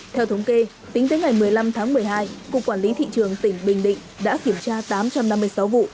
theo thống kê tính tới ngày một mươi năm tháng một mươi hai cục quản lý thị trường tỉnh bình định đã kiểm tra tám trăm năm mươi sáu vụ